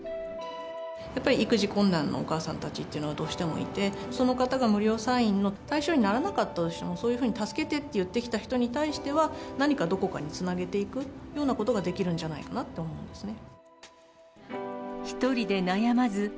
やっぱり育児困難のお母さん達っていうのは、どうしてもいて、その方が無料産院の対象にならなかったとしても、そういうふうに助けてって言ってきた人に対しては何かどこかにつなげていくようなことができるんじゃないかなと思うんですね。